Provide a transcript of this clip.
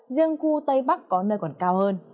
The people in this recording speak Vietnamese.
riêng khu tây bắc có nơi còn cao hơn